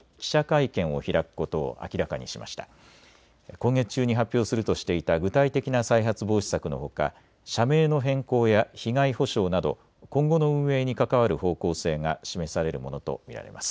今月中に発表するとしていた具体的な再発防止策のほか社名の変更や被害補償など今後の運営に関わる方向性が示されるものと見られます。